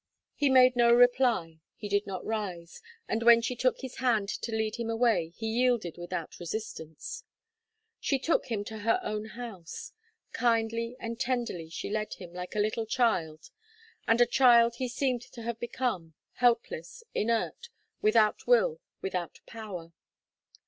He made no reply, he did not rise, and when she took his hand to lead him away, he yielded without resistance. She took him to her own house. Kindly and tenderly she led him, like a little child, and a child he seemed to have become, helpless, inert without will, without power.